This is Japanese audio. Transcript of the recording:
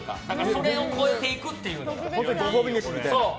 それを越えていくっていう。